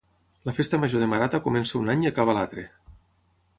La Festa Major de Marata comença un any i acaba l'altre